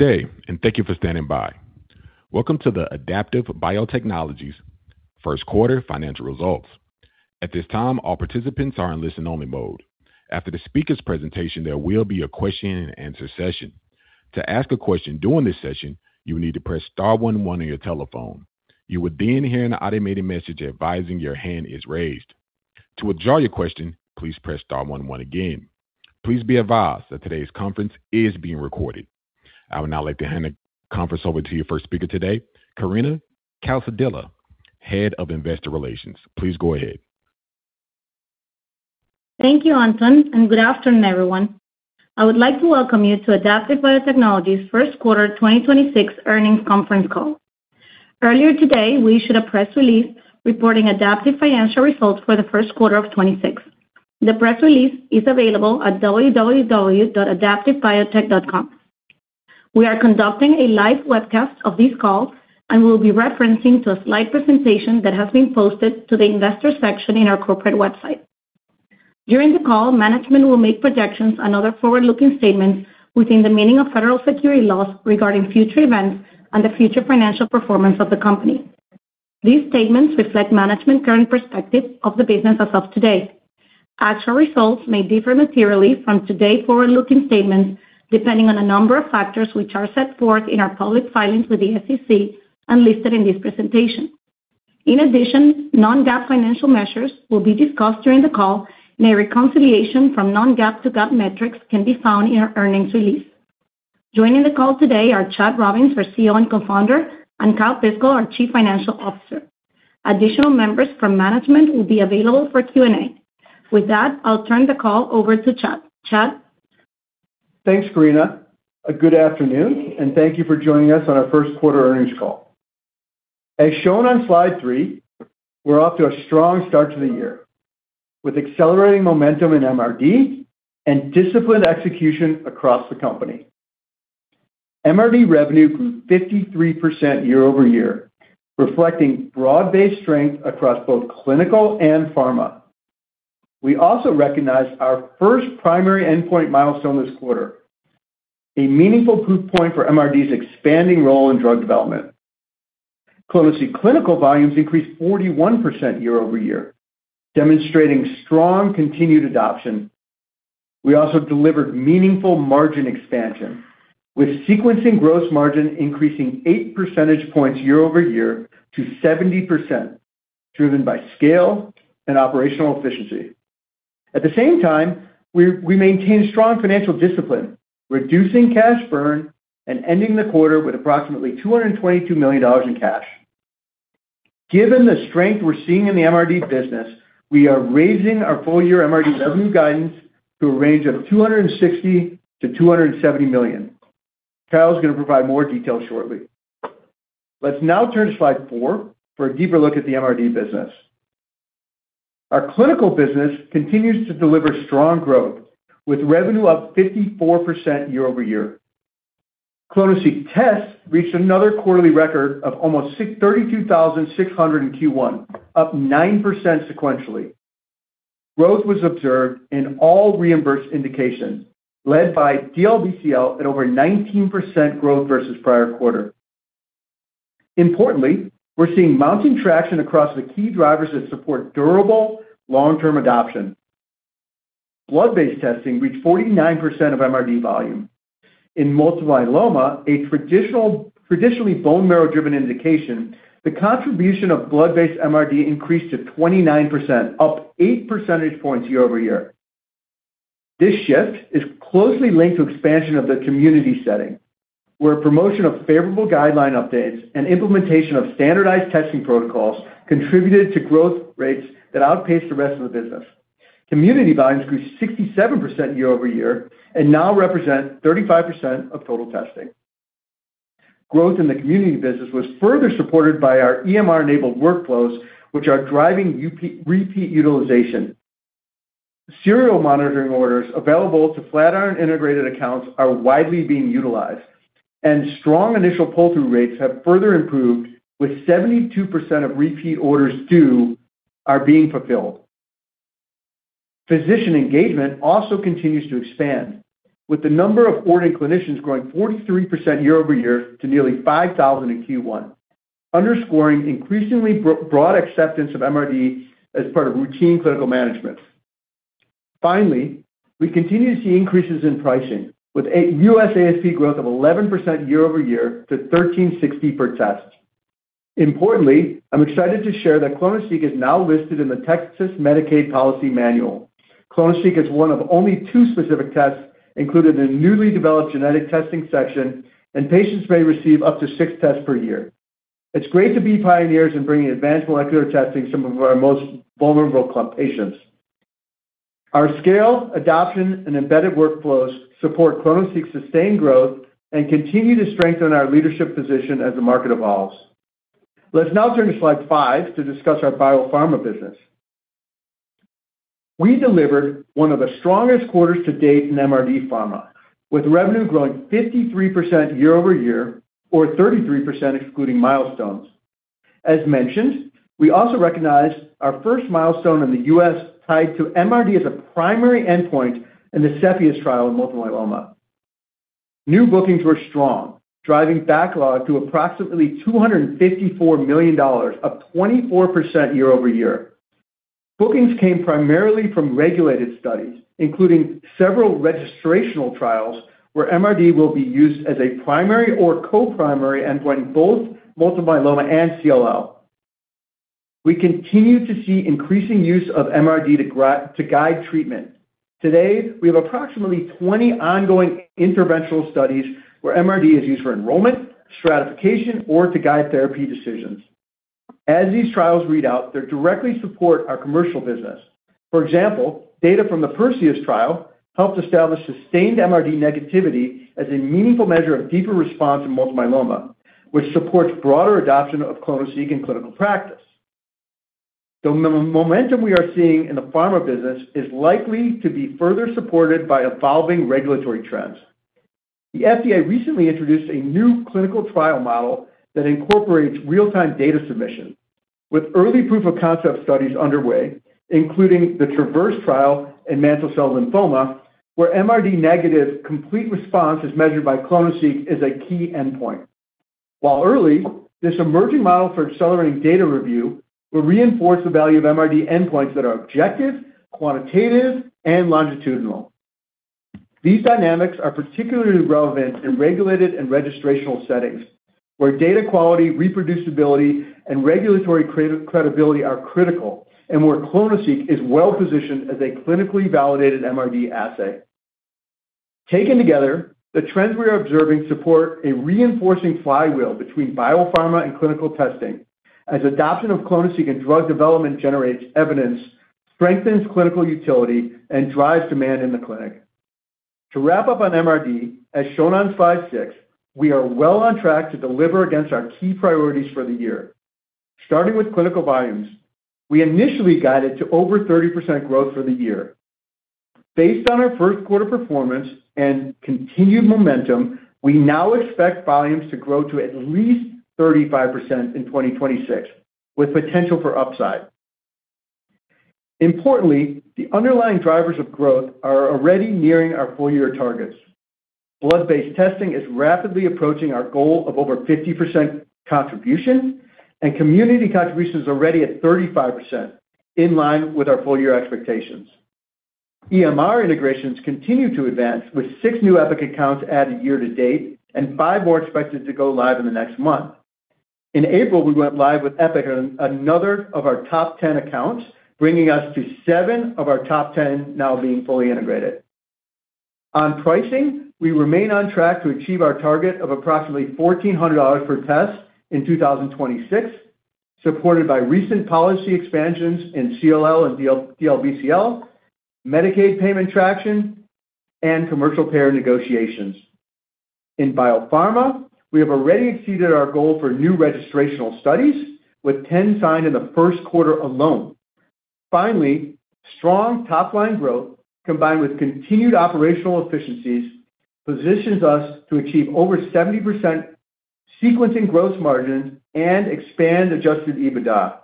Good day, and thank you for standing by. Welcome to the Adaptive Biotechnologies first quarter financial results. At this time, all participants are in listen-only mode. After the speaker's presentation, there will be a question and answer session. To ask a question during this session, you need to press star one one on your telephone. You would hear an automated message advising your hand is raised. To withdraw your question, please press star one one again. Please be advised that today's conference is being recorded. I would now like to hand the conference over to your first speaker today, Karina Calzadilla, Head of Investor Relations. Please go ahead. Thank you, Anton, and good afternoon, everyone. I would like to welcome you to Adaptive Biotechnologies first quarter 2026 earnings conference call. Earlier today, we issued a press release reporting Adaptive financial results for the first quarter of 2026. The press release is available at www.adaptivebiotech.com. We are conducting a live webcast of this call and will be referencing to a slide presentation that has been posted to the investor section in our corporate website. During the call, management will make projections and other forward-looking statements within the meaning of federal securities laws regarding future events and the future financial performance of the company. These statements reflect management current perspective of the business as of today. Actual results may differ materially from today forward-looking statements depending on a number of factors, which are set forth in our public filings with the SEC, unlisted in this presentation. In addition, non-GAAP financial measures will be discussed during the call, and a reconciliation from non-GAAP to GAAP metrics can be found in our earnings release. Joining the call today are Chad Robins, our CEO and Co-founder, and Kyle Piskel, our Chief Financial Officer. Additional members from management will be available for Q&A. With that, I'll turn the call over to Chad. Chad? Thanks, Karina. Good afternoon, and thank you for joining us on our first quarter earnings call. As shown on slide three, we're off to a strong start to the year, with accelerating momentum in MRD and disciplined execution across the company. MRD revenue grew 53% year-over-year, reflecting broad-based strength across both clinical and pharma. We also recognized our first primary endpoint milestone this quarter, a meaningful proof point for MRD's expanding role in drug development. clonoSEQ clinical volumes increased 41% year-over-year, demonstrating strong continued adoption. We also delivered meaningful margin expansion, with sequencing gross margin increasing 8 percentage points year-over-year to 70%, driven by scale and operational efficiency. At the same time, we maintained strong financial discipline, reducing cash burn and ending the quarter with approximately $222 million in cash. Given the strength we're seeing in the MRD business, we are raising our full-year MRD revenue guidance to a range of $260 million-$270 million. Kyle's gonna provide more detail shortly. Let's now turn to slide four for a deeper look at the MRD business. Our clinical business continues to deliver strong growth, with revenue up 54% year-over-year. ClonoSEQ tests reached another quarterly record of almost 632,600 in Q1, up 9% sequentially. Growth was observed in all reimbursed indications, led by DLBCL at over 19% growth versus prior quarter. Importantly, we're seeing mounting traction across the key drivers that support durable long-term adoption. Blood-based testing reached 49% of MRD volume. In multiple myeloma, a traditionally bone marrow-driven indication, the contribution of blood-based MRD increased to 29%, up 8 percentage points year-over-year. This shift is closely linked to expansion of the community setting, where promotion of favorable guideline updates and implementation of standardized testing protocols contributed to growth rates that outpaced the rest of the business. Community volumes grew 67% year-over-year and now represent 35% of total testing. Growth in the community business was further supported by our EMR-enabled workflows, which are driving UP repeat utilization. Serial monitoring orders available to Flatiron integrated accounts are widely being utilized, and strong initial pull-through rates have further improved with 72% of repeat orders due are being fulfilled. Physician engagement also continues to expand, with the number of ordering clinicians growing 43% year-over-year to nearly 5,000 in Q1, underscoring increasingly broad acceptance of MRD as part of routine clinical management. Finally, we continue to see increases in pricing, with a U.S. ASP growth of 11% year-over-year to $1,360 per test. Importantly, I'm excited to share that clonoSEQ is now listed in the Texas Medicaid Policy Manual. clonoSEQ is one of only two specific tests included in the newly developed genetic testing section. Patients may receive up to six tests per year. It's great to be pioneers in bringing advanced molecular testing to some of our most vulnerable patients. Our scale, adoption, and embedded workflows support clonoSEQ's sustained growth and continue to strengthen our leadership position as the market evolves. Let's now turn to slide five to discuss our biopharma business. We delivered one of the strongest quarters to date in MRD pharma, with revenue growing 53% year-over-year or 33% excluding milestones. As mentioned, we also recognized our first milestone in the U.S. tied to MRD as a primary endpoint in the CEPHEUS trial in multiple myeloma. New bookings were strong, driving backlog to approximately $254 million, up 24% year-over-year. Bookings came primarily from regulated studies, including several registrational trials where MRD will be used as a primary or co-primary endpoint in both multiple myeloma and CLL. We continue to see increasing use of MRD to guide treatment. Today, we have approximately 20 ongoing interventional studies where MRD is used for enrollment, stratification, or to guide therapy decisions. As these trials read out, they directly support our commercial business. For example, data from the PERSEUS trial helped establish sustained MRD negativity as a meaningful measure of deeper response in multiple myeloma, which supports broader adoption of clonoSEQ in clinical practice. The momentum we are seeing in the pharma business is likely to be further supported by evolving regulatory trends. The FDA recently introduced a new clinical trial model that incorporates real-time data submission with early proof-of-concept studies underway, including the TrAVeRse trial in mantle cell lymphoma, where MRD negative complete response is measured by clonoSEQ is a key endpoint. While early, this emerging model for accelerating data review will reinforce the value of MRD endpoints that are objective, quantitative, and longitudinal. These dynamics are particularly relevant in regulated and registrational settings, where data quality, reproducibility, and regulatory credibility are critical, and where clonoSEQ is well-positioned as a clinically validated MRD assay. Taken together, the trends we are observing support a reinforcing flywheel between biopharma and clinical testing as adoption of clonoSEQ in drug development generates evidence, strengthens clinical utility, and drives demand in the clinic. To wrap up on MRD, as shown on slide six, we are well on track to deliver against our key priorities for the year. Starting with clinical volumes, we initially guided to over 30% growth for the year. Based on our first quarter performance and continued momentum, we now expect volumes to grow to at least 35% in 2026, with potential for upside. Importantly, the underlying drivers of growth are already nearing our full-year targets. Blood-based testing is rapidly approaching our goal of over 50% contribution. Community contribution is already at 35%, in line with our full-year expectations. EMR integrations continue to advance, with six new Epic accounts added year to date and 5 more expected to go live in the next month. In April, we went live with Epic on another of our top 10 accounts, bringing us to seven of our top 10 now being fully integrated. On pricing, we remain on track to achieve our target of approximately $1,400 per test in 2026, supported by recent policy expansions in CLL and DLBCL, Medicaid payment traction, and commercial payer negotiations. In biopharma, we have already exceeded our goal for new registrational studies, with 10 signed in the first quarter alone. Finally, strong top-line growth combined with continued operational efficiencies positions us to achieve over 70% sequencing gross margins and expand adjusted EBITDA.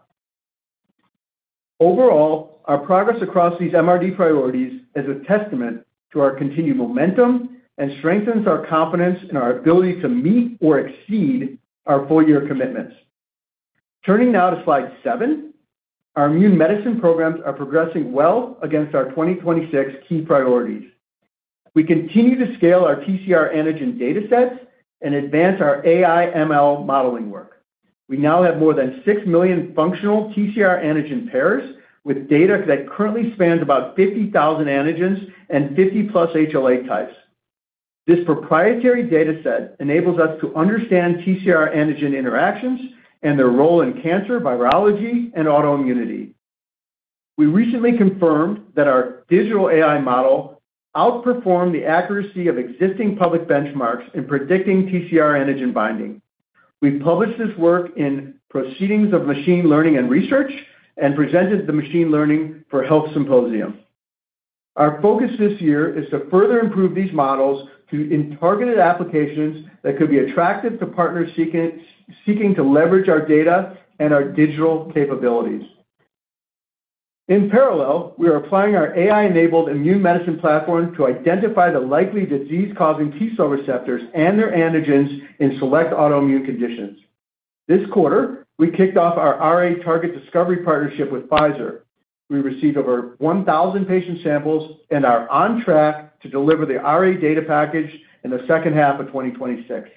Overall, our progress across these MRD priorities is a testament to our continued momentum and strengthens our confidence in our ability to meet or exceed our full-year commitments. Turning now to slide seven, our immune medicine programs are progressing well against our 2026 key priorities. We continue to scale our TCR antigen data sets and advance our AI ML modeling work. We now have more than 6 million functional TCR antigen pairs with data that currently spans about 50,000 antigens and 50 plus HLA types. This proprietary data set enables us to understand TCR antigen interactions and their role in cancer, virology, and autoimmunity. We recently confirmed that our digital AI model outperformed the accuracy of existing public benchmarks in predicting TCR antigen binding. We published this work in Proceedings of Machine Learning Research and presented the Machine Learning for Health Symposium. Our focus this year is to further improve these models in targeted applications that could be attractive to partners seeking to leverage our data and our digital capabilities. In parallel, we are applying our AI-enabled Immune Medicine platform to identify the likely disease-causing T cell receptors and their antigens in select autoimmune conditions. This quarter, we kicked off our RA target discovery partnership with Pfizer. We received over 1,000 patient samples and are on track to deliver the RA data package in the second half of 2026.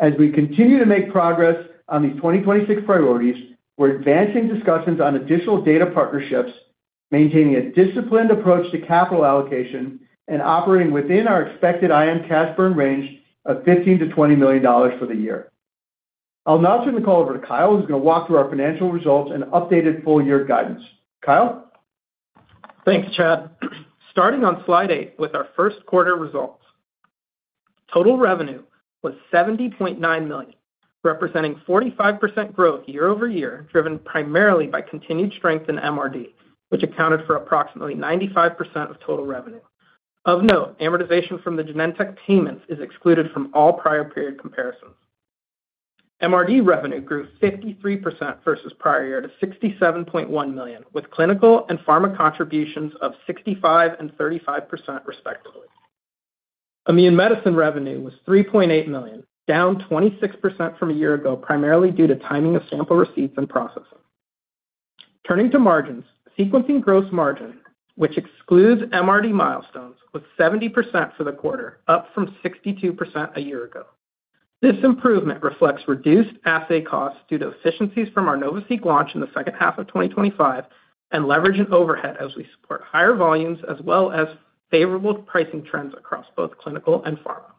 As we continue to make progress on these 2026 priorities, we're advancing discussions on additional data partnerships, maintaining a disciplined approach to capital allocation, and operating within our expected IM cash burn range of $15 million-$20 million for the year. I'll now turn the call over to Kyle, who's going to walk through our financial results and updated full-year guidance. Kyle? Thanks, Chad. Starting on slide eight with our first quarter results. Total revenue was $70.9 million, representing 45% growth year-over-year, driven primarily by continued strength in MRD, which accounted for approximately 95% of total revenue. Of note, amortization from the Genentech payments is excluded from all prior period comparisons. MRD revenue grew 53% versus prior year to $67.1 million, with clinical and pharma contributions of 65% and 35% respectively. Immune Medicine revenue was $3.8 million, down 26% from a year ago, primarily due to timing of sample receipts and processing. Turning to margins, sequencing gross margin, which excludes MRD milestones, was 70% for the quarter, up from 62% a year ago. This improvement reflects reduced assay costs due to efficiencies from our NovaSeq launch in the second half of 2025 and leverage in overhead as we support higher volumes as well as favorable pricing trends across both clinical and pharma.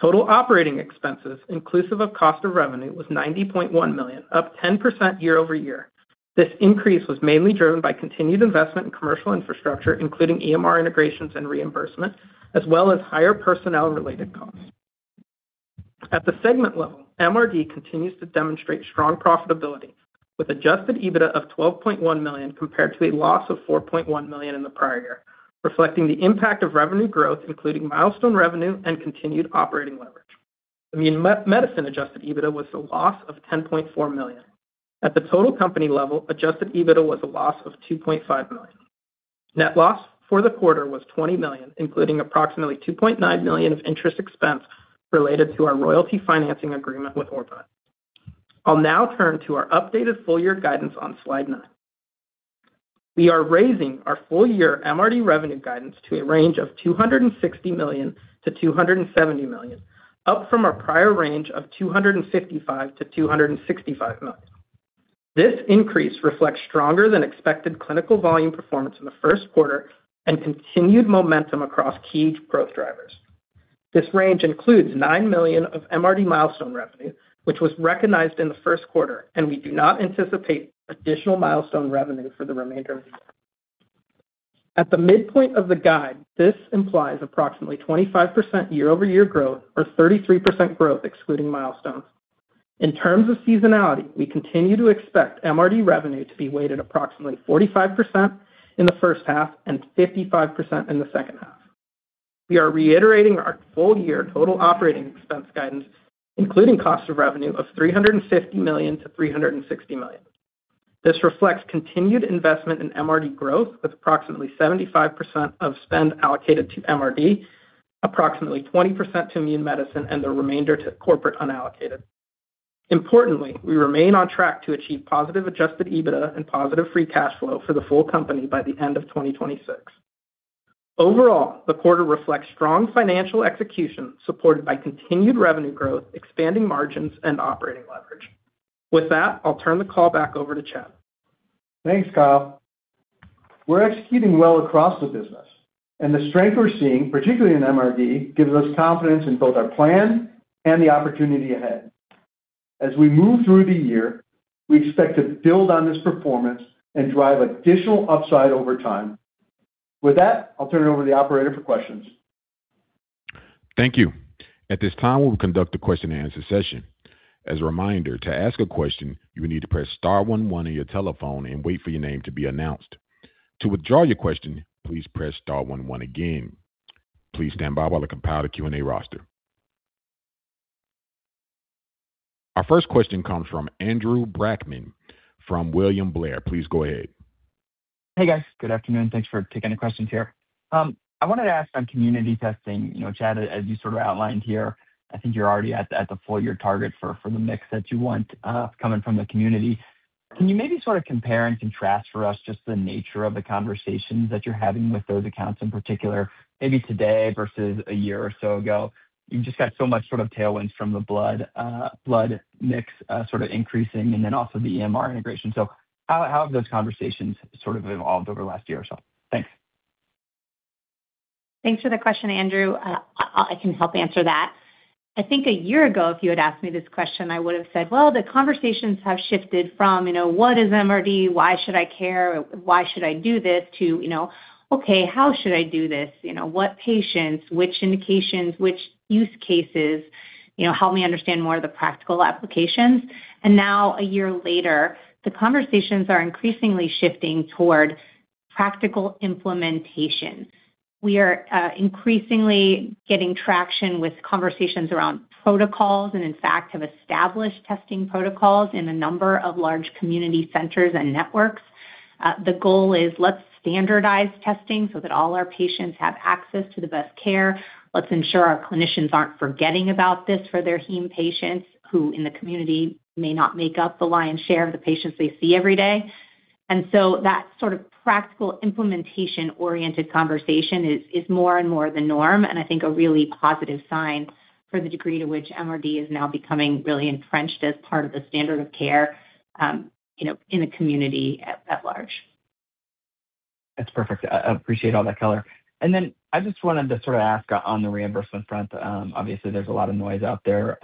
Total operating expenses, inclusive of cost of revenue, was $90.1 million, up 10% year-over-year. This increase was mainly driven by continued investment in commercial infrastructure, including EMR integrations and reimbursement, as well as higher personnel-related costs. At the segment level, MRD continues to demonstrate strong profitability with adjusted EBITDA of $12.1 million compared to a loss of $4.1 million in the prior year, reflecting the impact of revenue growth, including milestone revenue and continued operating leverage. Immune Medicine adjusted EBITDA was a loss of $10.4 million. At the total company level, adjusted EBITDA was a loss of $2.5 million. Net loss for the quarter was $20 million, including approximately $2.9 million of interest expense related to our royalty financing agreement with OrbiMed. I'll now turn to our updated full year guidance on slide nine. We are raising our full year MRD revenue guidance to a range of $260 million-$270 million, up from our prior range of $255 million-$265 million. This increase reflects stronger than expected clinical volume performance in the first quarter and continued momentum across key growth drivers. This range includes $9 million of MRD milestone revenue, which was recognized in the first quarter, and we do not anticipate additional milestone revenue for the remainder of the year. At the midpoint of the guide, this implies approximately 25% year-over-year growth or 33% growth excluding milestones. In terms of seasonality, we continue to expect MRD revenue to be weighted approximately 45% in the first half and 55% in the second half. We are reiterating our full year total operating expense guidance, including cost of revenue of $350 million-$360 million. This reflects continued investment in MRD growth, with approximately 75% of spend allocated to MRD, approximately 20% to Immune Medicine, and the remainder to corporate unallocated. Importantly, we remain on track to achieve positive adjusted EBITDA and positive free cash flow for the full company by the end of 2026. Overall, the quarter reflects strong financial execution supported by continued revenue growth, expanding margins and operating leverage. With that, I'll turn the call back over to Chad. Thanks, Kyle. We're executing well across the business and the strength we're seeing, particularly in MRD, gives us confidence in both our plan and the opportunity ahead. As we move through the year, we expect to build on this performance and drive additional upside over time. With that, I'll turn it over to the operator for questions. Thank you. At this time, we'll conduct a question and answer session. As a reminder, to ask a question, you will need to press star one one on your telephone and wait for your name to be announced. To withdraw your question, please press star one one again. Please stand by while I compile the Q&A roster. Our first question comes from Andrew Brackmann from William Blair. Please go ahead. Hey, guys. Good afternoon. Thanks for taking the questions here. I wanted to ask on community testing. You know, Chad, as you sort of outlined here, I think you're already at the full year target for the mix that you want coming from the community. Can you maybe sort of compare and contrast for us just the nature of the conversations that you're having with those accounts in particular, maybe today versus a year or so ago? You've just got so much sort of tailwinds from the blood mix, sort of increasing and then also the EMR integration. How have those conversations sort of evolved over the last year or so? Thanks. Thanks for the question, Andrew. I can help answer that. I think a year ago, if you had asked me this question, I would have said, "Well, the conversations have shifted from, you know, what is MRD? Why should I care? Why should I do this?" To, you know, "Okay, how should I do this? You know, what patients, which indications, which use cases, you know, help me understand more of the practical applications." Now a year later, the conversations are increasingly shifting toward practical implementation. We are increasingly getting traction with conversations around protocols, in fact, have established testing protocols in a number of large community centers and networks. The goal is let's standardize testing so that all our patients have access to the best care. Let's ensure our clinicians aren't forgetting about this for their heme patients who in the community may not make up the lion's share of the patients they see every day. That sort of practical implementation-oriented conversation is more and more the norm, and I think a really positive sign for the degree to which MRD is now becoming really entrenched as part of the standard of care, you know, in the community at large. That's perfect. I appreciate all that color. Then I just wanted to sort of ask on the reimbursement front. Obviously there's a lot of noise out there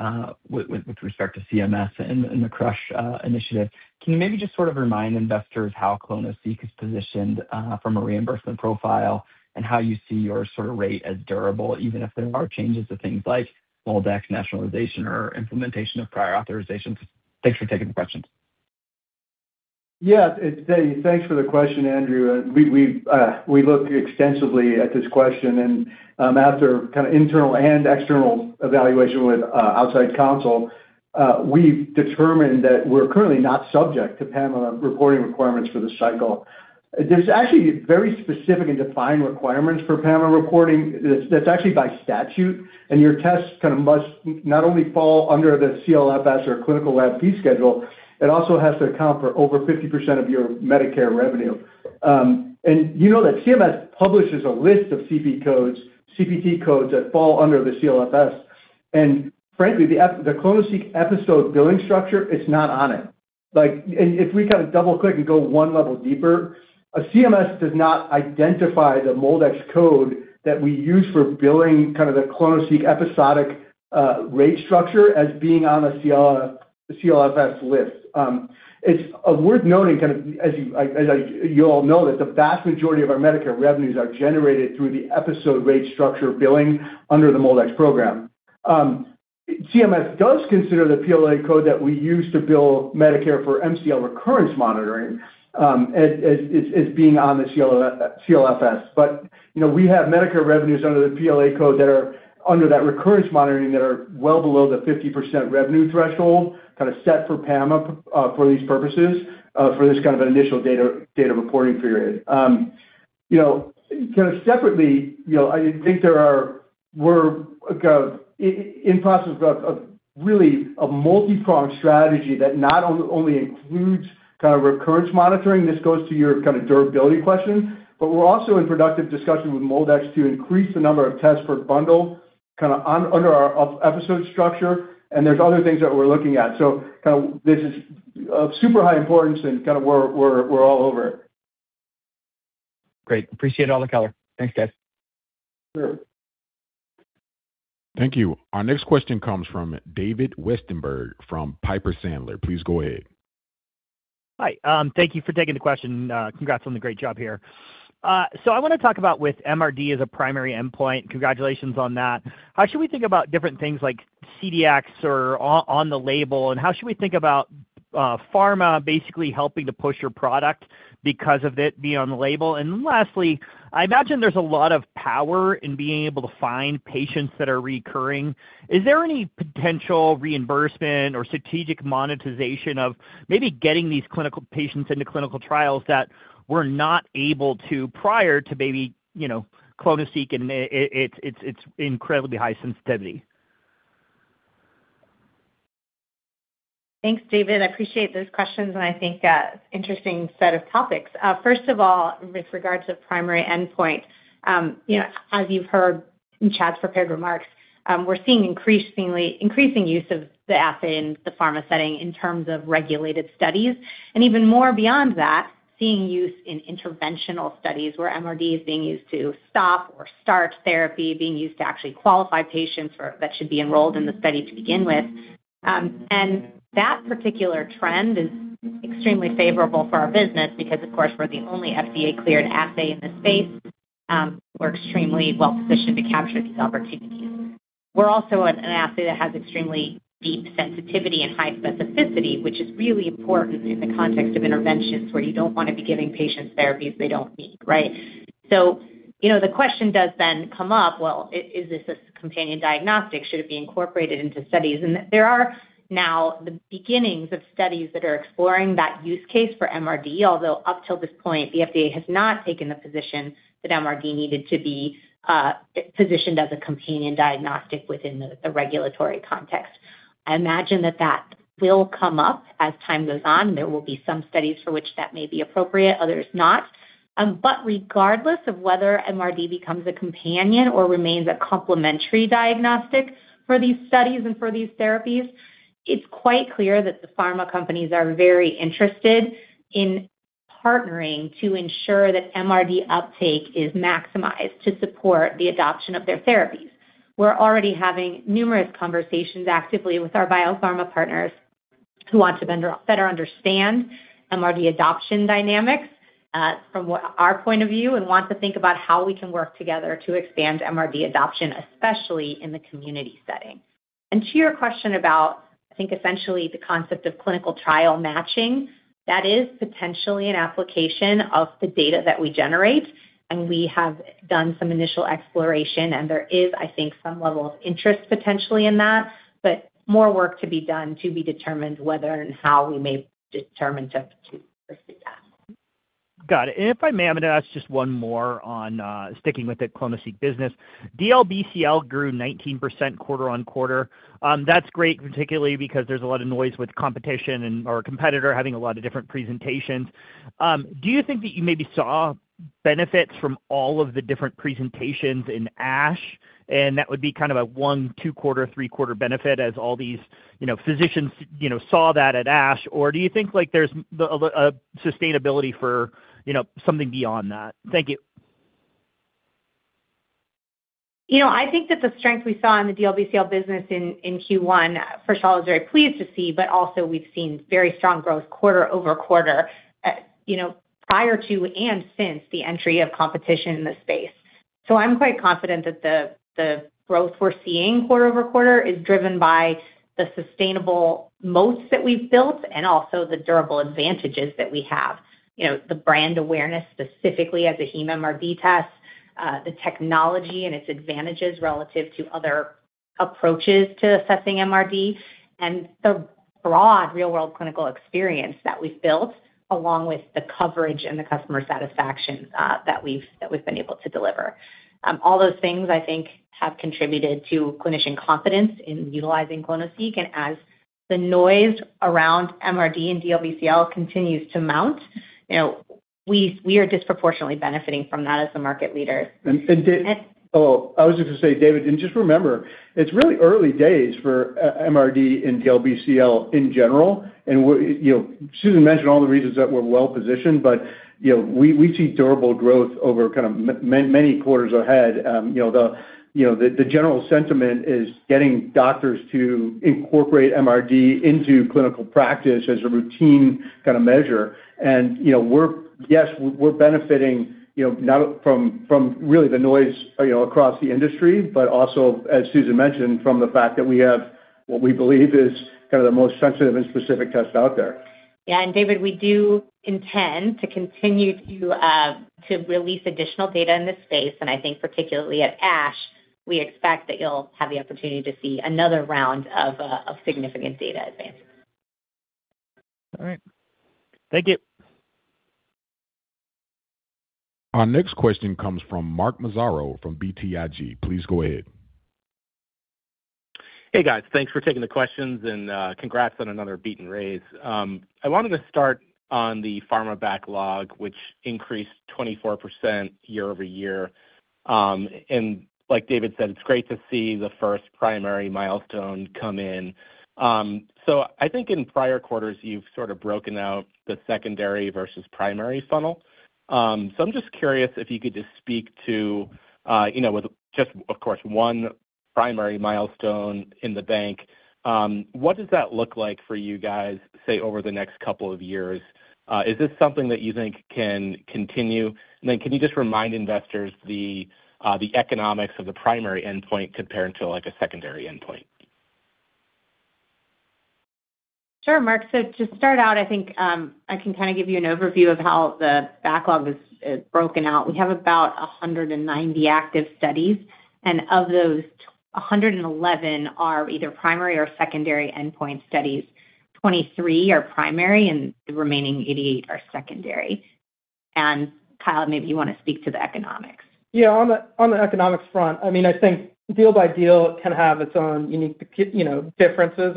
with respect to CMS and the CRUSH initiative. Can you maybe just sort of remind investors how clonoSEQ is positioned from a reimbursement profile and how you see your sort of rate as durable, even if there are changes to things like MolDX nationalization or implementation of prior authorizations? Thanks for taking the question. Yeah, thanks for the question, Andrew. We look extensively at this question, and after kind of internal and external evaluation with outside counsel, we've determined that we're currently not subject to PAMA reporting requirements for this cycle. There's actually very specific and defined requirements for PAMA reporting that's actually by statute. Your test kind of must not only fall under the CLFS or clinical lab fee schedule, it also has to account for over 50% of your Medicare revenue. You know that CMS publishes a list of CP codes, CPT codes that fall under the CLFS. Frankly, the clonoSEQ episode billing structure, it's not on it. If we double-click and go one level deeper, CMS does not identify the MolDX code that we use for billing, the clonoSEQ episodic rate structure as being on a CLFS list. It's worth noting as you all know, that the vast majority of our Medicare revenues are generated through the episode rate structure billing under the MolDX program. CMS does consider the PLA code that we use to bill Medicare for MCL recurrence monitoring, as being on the CLFS. But you know, we have Medicare revenues under the PLA code that are under that recurrence monitoring that are well below the 50% revenue threshold set for PAMA, for these purposes, for this initial data reporting period. You know, kind of separately, you know, I think we're in process of really a multi-pronged strategy that not only includes kind of recurrence monitoring. This goes to your kind of durability question. We're also in productive discussion with MolDX to increase the number of tests per bundle, kind of under our episode structure, and there's other things that we're looking at. So this is of super high importance and kind of we're all over it. Great. Appreciate all the color. Thanks, guys. Sure. Thank you. Our next question comes from David Westenberg from Piper Sandler. Please go ahead. Hi. Thank you for taking the question. Congrats on the great job here. I want to talk about with MRD as a primary endpoint. Congratulations on that. How should we think about different things like CDx or on the label, how should we think about pharma basically helping to push your product because of it being on the label? Then lastly, I imagine there's a lot of power in being able to find patients that are recurring. Is there any potential reimbursement or strategic monetization of maybe getting these clinical patients into clinical trials that were not able to prior to maybe, you know, clonoSEQ and its incredibly high sensitivity? Thanks, David. I appreciate those questions, and I think, interesting set of topics. First of all, with regards to primary endpoint, you know, as you've heard in Chad's prepared remarks, we're seeing increasingly increasing use of the assay in the pharma setting in terms of regulated studies, and even more beyond that, seeing use in interventional studies where MRD is being used to stop or start therapy, being used to actually qualify patients that should be enrolled in the study to begin with. And that particular trend is extremely favorable for our business because, of course, we're the only FDA-cleared assay in the space. We're extremely well-positioned to capture these opportunities. We're also an assay that has extremely deep sensitivity and high specificity, which is really important in the context of interventions where you don't want to be giving patients therapies they don't need, right? You know, the question does then come up, well, is this a companion diagnostic? Should it be incorporated into studies? There are now the beginnings of studies that are exploring that use case for MRD, although up till this point, the FDA has not taken the position that MRD needed to be positioned as a companion diagnostic within the regulatory context. I imagine that that will come up as time goes on. There will be some studies for which that may be appropriate, others not. Regardless of whether MRD becomes a companion or remains a complementary diagnostic for these studies and for these therapies, it's quite clear that the pharma companies are very interested in partnering to ensure that MRD uptake is maximized to support the adoption of their therapies. We're already having numerous conversations actively with our biopharma partners who want to better understand MRD adoption dynamics, from what our point of view and want to think about how we can work together to expand MRD adoption, especially in the community setting. To your question about, I think, essentially the concept of clinical trial matching, that is potentially an application of the data that we generate, and we have done some initial exploration, and there is, I think, some level of interest potentially in that, but more work to be done to be determined whether and how we may determine to proceed with that. Got it. If I may, I'm gonna ask just one more on sticking with the clonoSEQ business. DLBCL grew 19% quarter-on-quarter. That's great, particularly because there's a lot of noise with competition and/or competitor having a lot of different presentations. Do you think that you maybe saw benefits from all of the different presentations in ASH, and that would be kind of a one, two-quarter, three-quarter benefit as all these, you know, physicians, you know, saw that at ASH? Or do you think, like, there's a sustainability for, you know, something beyond that? Thank you. You know, I think that the strength we saw in the DLBCL business in Q1, [inaudible] pleased to see. Also, we've seen very strong growth quarter-over-quarter, you know, prior to and since the entry of competition in the space. I'm quite confident that the growth we're seeing quarter-over-quarter is driven by the sustainable moats that we've built, also the durable advantages that we have. You know, the brand awareness, specifically as a heme MRD test, the technology and its advantages relative to other approaches to assessing MRD and the broad real-world clinical experience that we've built, along with the coverage and the customer satisfaction that we've been able to deliver. All those things, I think, have contributed to clinician confidence in utilizing ClonoSEQ. As the noise around MRD and DLBCL continues to mount, you know, we are disproportionately benefiting from that as the market leader. I was just gonna say, David, just remember, it's really early days for MRD and DLBCL in general. You know, Susan mentioned all the reasons that we're well-positioned, but, you know, we see durable growth over kind of many quarters ahead. You know, the general sentiment is getting doctors to incorporate MRD into clinical practice as a routine kinda measure. You know, we're benefiting, you know, not only from really the noise, you know, across the industry, but also, as Susan mentioned, from the fact that we have what we believe is kinda the most sensitive and specific test out there. Yeah. David, we do intend to continue to release additional data in this space. I think particularly at ASH, we expect that you'll have the opportunity to see another round of significant data advances. All right. Thank you. Our next question comes from Mark Massaro from BTIG. Please go ahead. Hey, guys. Thanks for taking the questions, and congrats on another beat and raise. I wanted to start on the pharma backlog, which increased 24% year-over-year. Like David said, it's great to see the first primary milestone come in. I think in prior quarters, you've sort of broken out the secondary versus primary funnel. I'm just curious if you could just speak to, you know, with just, of course, one primary milestone in the bank, what does that look like for you guys, say, over the next couple of years? Is this something that you think can continue? Can you just remind investors the economics of the primary endpoint compared to, like, a secondary endpoint? Sure, Mark. To start out, I think, I can kind of give you an overview of how the backlog is broken out. We have about 190 active studies, of those, 111 are either primary or secondary endpoint studies. 23 are primary, the remaining 88 are secondary. Kyle, maybe you want to speak to the economics. Yeah. On the economics front, I mean, I think deal by deal can have its own unique, you know, differences,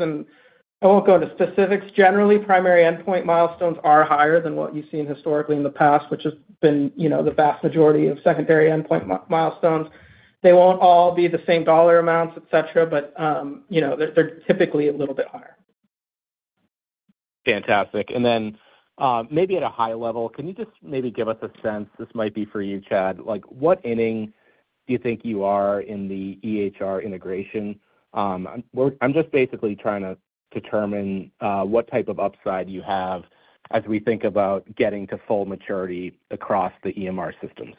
I won't go into specifics. Generally, primary endpoint milestones are higher than what you've seen historically in the past, which has been, you know, the vast majority of secondary endpoint milestones. They won't all be the same dollar amounts, et cetera, but, you know, they're typically a little bit higher. Fantastic. Maybe at a high level, can you just maybe give us a sense, this might be for you, Chad, like, what inning do you think you are in the EHR integration? I'm just basically trying to determine what type of upside you have as we think about getting to full maturity across the EMR systems.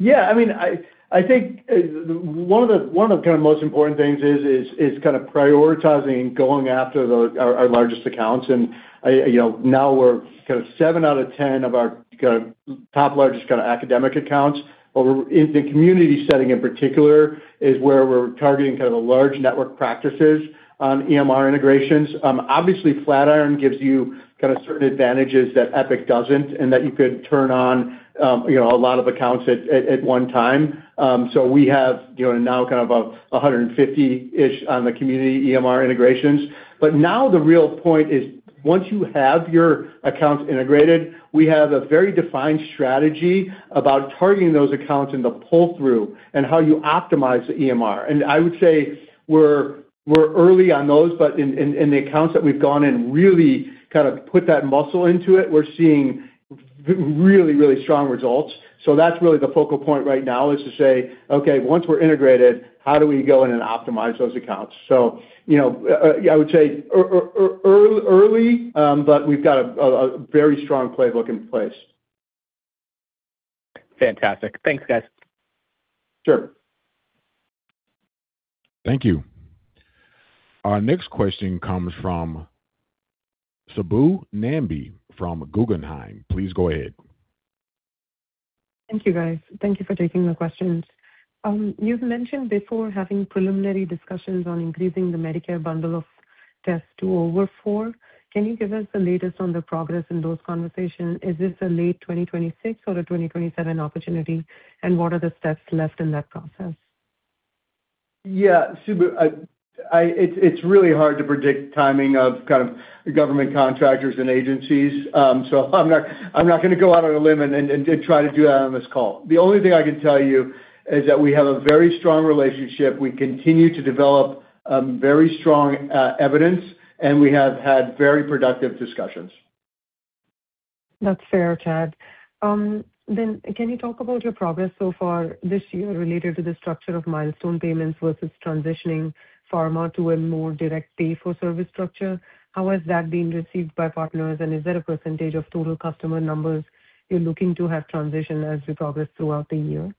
Yeah, I mean, I think, one of the, one of the kinda most important things is kinda prioritizing going after our largest accounts. You know, now we're kinda seven out of 10 of our kinda top largest kinda academic accounts. In the community setting in particular is where we're targeting kinda the large network practices on EMR integrations. Obviously, Flatiron gives you kinda certain advantages that Epic doesn't, and that you could turn on, you know, a lot of accounts at one time. We have, you know, now kind of 150-ish on the community EMR integrations. Now the real point is, once you have your accounts integrated, we have a very defined strategy about targeting those accounts and the pull-through and how you optimize the EMR. I would say we're early on those, but in the accounts that we've gone in really kind of put that muscle into it, we're seeing really strong results. That's really the focal point right now is to say, "Okay, once we're integrated, how do we go in and optimize those accounts?" You know, I would say early, but we've got a very strong playbook in place. Fantastic. Thanks, guys. Sure. Thank you. Our next question comes from Subbu Nambi from Guggenheim. Please go ahead. Thank you, guys. Thank you for taking the questions. You've mentioned before having preliminary discussions on increasing the Medicare bundle of tests to over four. Can you give us the latest on the progress in those conversations? Is this a late 2026 or a 2027 opportunity, and what are the steps left in that process? Yeah. Subbu, I it's really hard to predict timing of kind of government contractors and agencies. I'm not gonna go out on a limb and try to do that on this call. The only thing I can tell you is that we have a very strong relationship. We continue to develop very strong evidence, and we have had very productive discussions. That's fair, Chad. Can you talk about your progress so far this year related to the structure of milestone payments versus transitioning pharma to a more direct pay for service structure? How has that been received by partners, is there a percentage of total customer numbers you're looking to have transitioned as we progress throughout the year?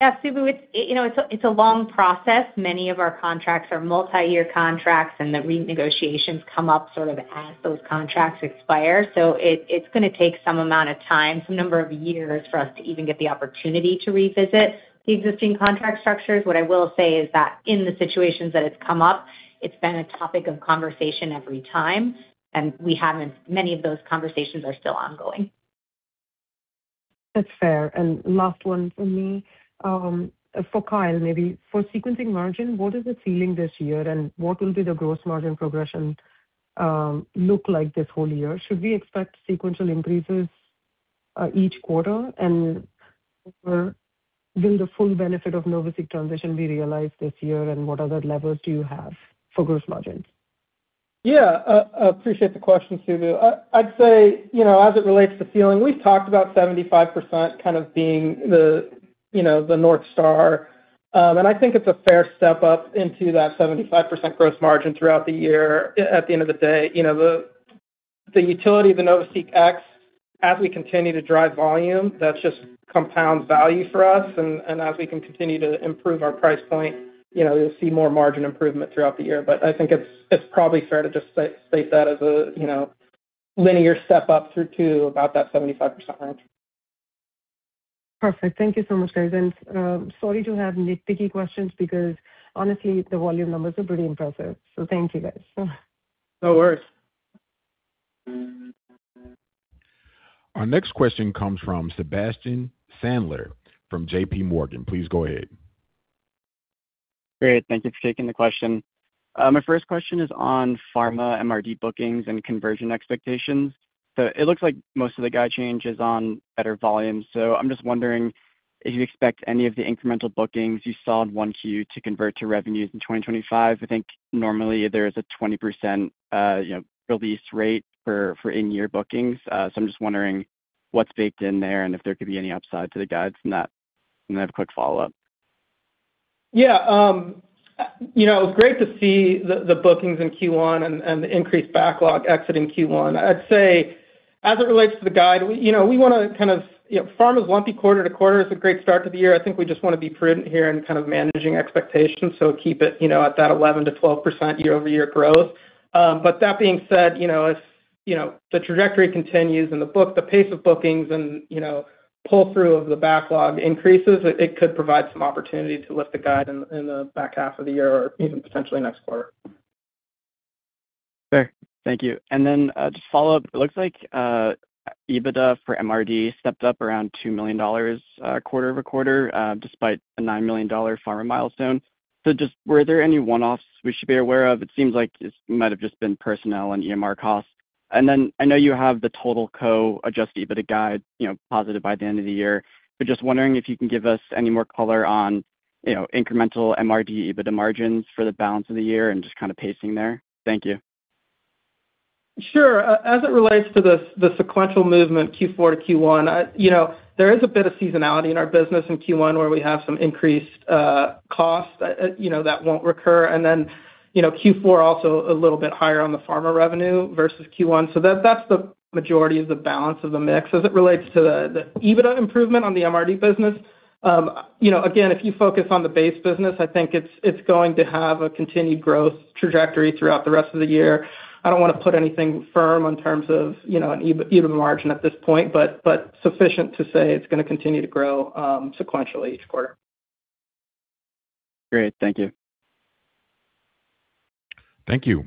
Yeah, Subbu, you know, it's a long process. Many of our contracts are multi-year contracts. The renegotiations come up sort of as those contracts expire. It's gonna take some amount of time, some number of years for us to even get the opportunity to revisit the existing contract structures. What I will say is that in the situations that it's come up, it's been a topic of conversation every time. Many of those conversations are still ongoing. That's fair. Last one from me, for Kyle, maybe. For sequencing margin, what is the ceiling this year, and what will be the gross margin progression look like this whole year? Should we expect sequential increases each quarter? Will the full benefit of NovaSeq transition be realized this year, and what other levels do you have for gross margins? Appreciate the question, Subbu. I'd say, you know, as it relates to ceiling, we've talked about 75% kind of being the, you know, the North Star. I think it's a fair step up into that 75% gross margin throughout the year. At the end of the day, you know, the utility of the NovaSeq X, as we continue to drive volume, that just compounds value for us, and as we can continue to improve our price point, you know, you'll see more margin improvement throughout the year. I think it's probably fair to just state that as a, you know, linear step up through to about that 75% range. Perfect. Thank you so much, guys. Sorry to have nitpicky questions because honestly, the volume numbers are pretty impressive. Thank you, guys. No worries. Our next question comes from Sebastian Sandler from JPMorgan. Please go ahead. Great. Thank you for taking the question. My first question is on pharma MRD bookings and conversion expectations. It looks like most of the guide change is on better volumes. I'm just wondering if you expect any of the incremental bookings you saw in 1Q to convert to revenues in 2025. I think normally there is a 20%, you know, release rate for in-year bookings. I'm just wondering what's baked in there and if there could be any upside to the guides from that. I have a quick follow-up. You know, it was great to see the bookings in Q1 and the increased backlog exiting Q1. I'd say as it relates to the guide, we, you know, we wanna kind of You know, pharma's lumpy quarter-to-quarter. It's a great start to the year. I think we just wanna be prudent here in kind of managing expectations, so keep it, you know, at that 11%-12% year-over-year growth. That being said, you know, if, you know, the trajectory continues and the pace of bookings and, you know, pull-through of the backlog increases, it could provide some opportunity to lift the guide in the back half of the year or even potentially next quarter. Sure. Thank you. Just follow up. It looks like EBITDA for MRD stepped up around $2 million quarter-over-quarter despite a $9 million pharma milestone. Were there any one-offs we should be aware of? It seems like it might have just been personnel and EMR costs. I know you have the total co adjusted EBITDA guide, you know, positive by the end of the year. Wondering if you can give us any more color on, you know, incremental MRD EBITDA margins for the balance of the year and just kind of pacing there. Thank you. Sure. As it relates to the sequential movement Q4 to Q1, you know, there is a bit of seasonality in our business in Q1, where we have some increased costs, you know, that won't recur. Then, you know, Q4 also a little bit higher on the pharma revenue versus Q1. That's the majority of the balance of the mix. As it relates to the EBITDA improvement on the MRD business, you know, again, if you focus on the base business, I think it's going to have a continued growth trajectory throughout the rest of the year. I don't wanna put anything firm in terms of, you know, an EBITDA margin at this point, but sufficient to say it's gonna continue to grow sequentially each quarter. Great. Thank you. Thank you.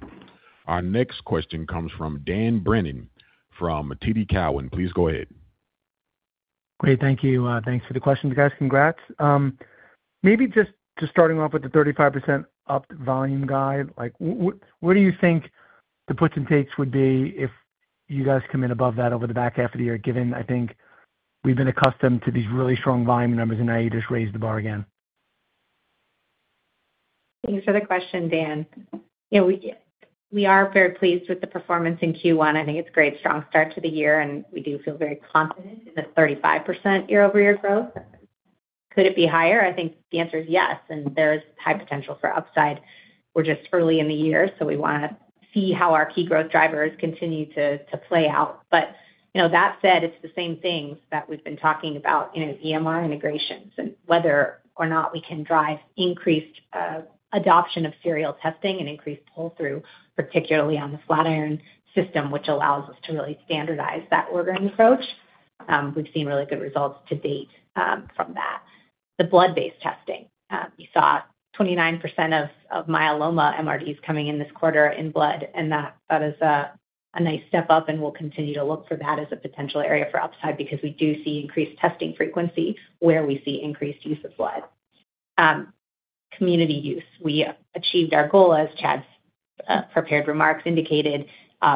Our next question comes from Dan Brennan from TD Cowen. Please go ahead. Great. Thank you. Thanks for the questions, guys. Congrats. Maybe just starting off with the 35% up volume guide. Like, what do you think the puts and takes would be if you guys come in above that over the back half of the year, given I think we've been accustomed to these really strong volume numbers, and now you just raised the bar again. Thanks for the question, Dan. You know, we are very pleased with the performance in Q1. I think it's a great strong start to the year. We do feel very confident in the 35% year-over-year growth. Could it be higher? I think the answer is yes. There's high potential for upside. We're just early in the year. We wanna see how our key growth drivers continue to play out. You know, that said, it's the same things that we've been talking about, you know, EMR integrations and whether or not we can drive increased adoption of serial testing and increased pull-through, particularly on the Flatiron system, which allows us to really standardize that ordering approach. We've seen really good results to date from that. The blood-based testing, you saw 29% of myeloma MRDs coming in this quarter in blood, and that is a nice step up, and we'll continue to look for that as a potential area for upside because we do see increased testing frequency where we see increased use of blood. Community use, we achieved our goal, as Chad's prepared remarks indicated,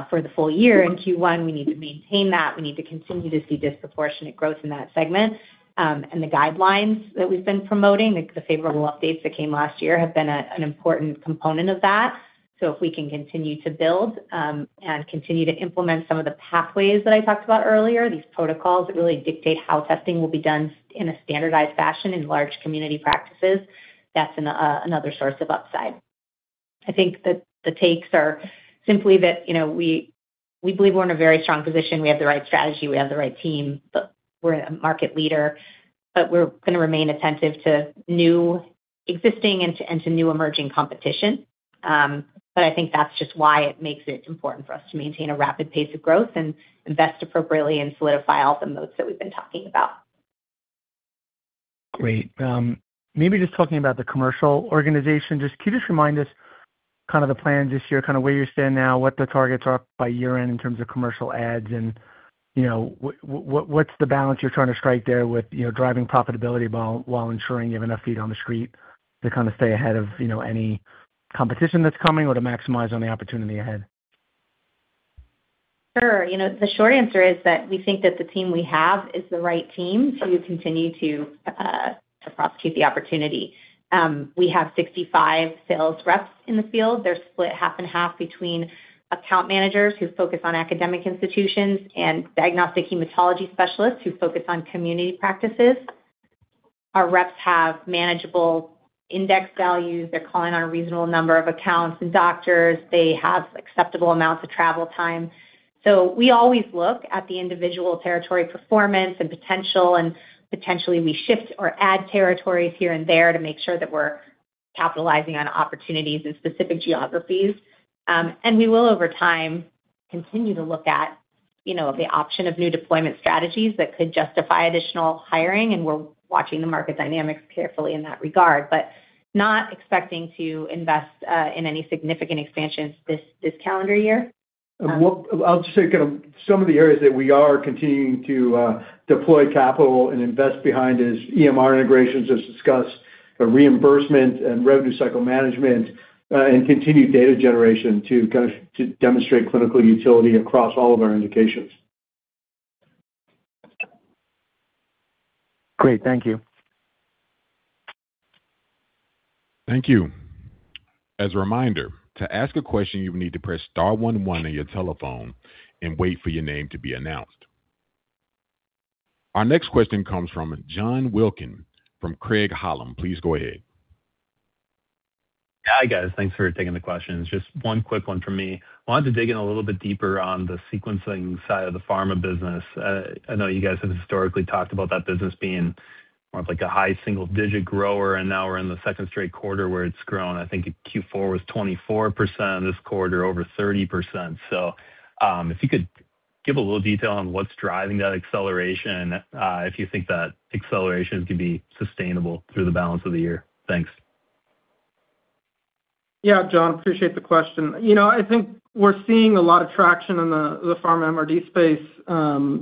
for the full year in Q1. We need to maintain that. We need to continue to see disproportionate growth in that segment. The guidelines that we've been promoting, like the favorable updates that came last year, have been an important component of that. If we can continue to build and continue to implement some of the pathways that I talked about earlier, these protocols that really dictate how testing will be done in a standardized fashion in large community practices, that's another source of upside. I think the takes are simply that we believe we're in a very strong position. We have the right strategy, we have the right team, but we're a market leader. We're going to remain attentive to new existing and to new emerging competition. I think that's just why it makes it important for us to maintain a rapid pace of growth and invest appropriately and solidify all the moats that we've been talking about. Great. Maybe just talking about the commercial organization, can you just remind us kind of the plan this year, kind of where you stand now, what the targets are by year-end in terms of commercial ads and, you know, what's the balance you're trying to strike there with, you know, driving profitability while ensuring you have enough feet on the street to kind of stay ahead of, you know, any competition that's coming or to maximize on the opportunity ahead? Sure. You know, the short answer is that we think that the team we have is the right team to continue to prosecute the opportunity. We have 65 sales reps in the field. They're split half and half between account managers who focus on academic institutions and diagnostic hematology specialists who focus on community practices. Our reps have manageable index values. They're calling on a reasonable number of accounts and doctors. They have acceptable amounts of travel time. We always look at the individual territory performance and potential, and potentially we shift or add territories here and there to make sure that we're capitalizing on opportunities in specific geographies. We will over time continue to look at, you know, the option of new deployment strategies that could justify additional hiring, and we're watching the market dynamics carefully in that regard. Not expecting to invest in any significant expansions this calendar year. Well, I'll just say kinda some of the areas that we are continuing to deploy capital and invest behind is EMR integrations, as discussed, reimbursement and revenue cycle management, and continued data generation to demonstrate clinical utility across all of our indications. Great. Thank you. Thank you. As a reminder, to ask a question, you need to press star one one on your telephone and wait for your name to be announced. Our next question comes from John Wilkin from Craig-Hallum. Please go ahead. Hi, guys. Thanks for taking the questions. Just one quick one from me. Wanted to dig in a little bit deeper on the sequencing side of the pharma business. I know you guys have historically talked about that business being more of like a high single-digit grower, and now we're in the second straight quarter where it's grown. I think Q4 was 24%, this quarter over 30%. If you could give a little detail on what's driving that acceleration, if you think that acceleration can be sustainable through the balance of the year. Thanks. Yeah, John, appreciate the question. You know, I think we're seeing a lot of traction in the pharma MRD space.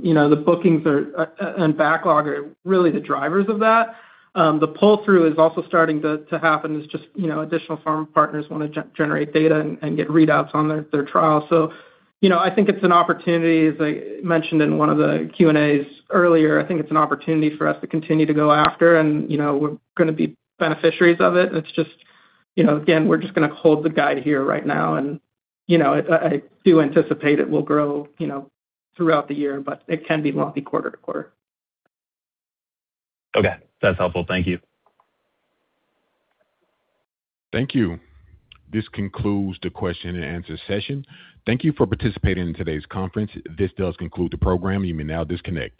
You know, the bookings are and backlog are really the drivers of that. The pull-through is also starting to happen as just, you know, additional pharma partners wanna generate data and get readouts on their trial. You know, I think it's an opportunity, as I mentioned in one of the Q&As earlier, I think it's an opportunity for us to continue to go after and, you know, we're gonna be beneficiaries of it. It's just, you know, again, we're just gonna hold the guide here right now and, you know, I do anticipate it will grow, you know, throughout the year, but it can be lumpy quarter-to-quarter. Okay. That's helpful. Thank you. Thank you. This concludes the question and answer session. Thank you for participating in today's conference. This does conclude the program. You may now disconnect.